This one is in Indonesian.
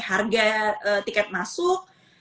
harga tiket masuk